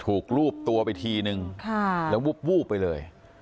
รูปตัวไปทีนึงแล้ววูบไปเลย